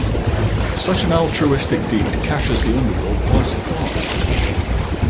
Such an altruistic deed catches the underworld by surprise.